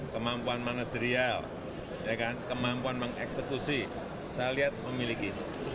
kemampuan manajerial kemampuan mengeksekusi saya lihat memiliki